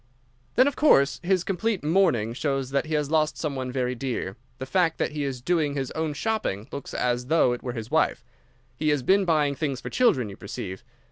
"Then, of course, his complete mourning shows that he has lost some one very dear. The fact that he is doing his own shopping looks as though it were his wife. He has been buying things for children, you perceive.